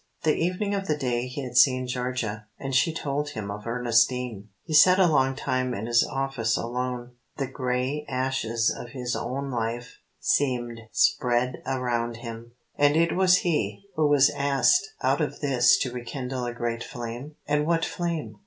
The evening of the day he had seen Georgia, and she told him of Ernestine, he sat a long time in his office alone. The grey ashes of his own life seemed spread around him. And it was he, who was asked, out of this, to rekindle a great flame? And what flame?